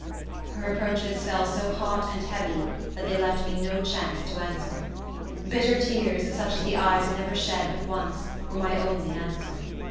Her reproaches fell so hot and heavy, that they left me no chance to answer. Bitter tears, such as the eyes never shed but once, were my only answer.